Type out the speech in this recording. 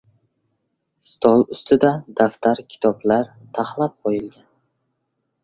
Stol ustida daftar- kitoblar taxlab qo‘yilgan.